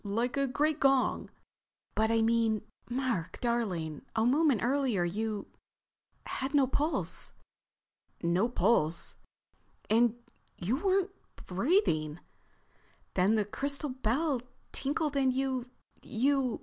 Like a great gong." "But—I mean, Mark darling—a moment earlier you—had no pulse." "No pulse?" "And you weren't—breathing. Then the crystal bell tinkled and you—you...."